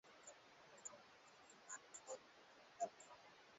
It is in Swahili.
Maisha ya sasa aina sa ya zamani bitu bilisha badilika